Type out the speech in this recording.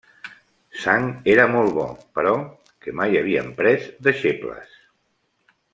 Sang era molt bo, però que mai havien pres deixebles.